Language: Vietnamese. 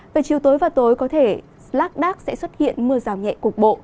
về chiều tối và tối có thể lát đát sẽ xuất hiện mưa rào nhẹ cục bộ